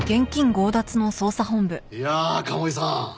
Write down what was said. いやあ鴨居さん